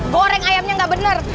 goreng ayamnya gak bener